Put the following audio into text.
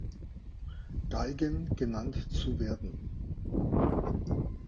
Geigen genannt zu werden.